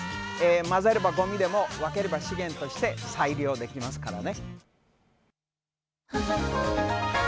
混ぜればごみでも、分ければ資源として再利用できますからね。